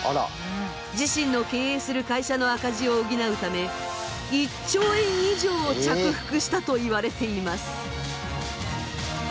自身の経営する会社の赤字を補うため１兆円以上を着服したといわれています。